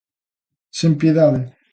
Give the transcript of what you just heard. Sen piedade.